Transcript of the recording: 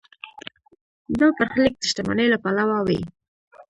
دا برخلیک د شتمنۍ له پلوه وي.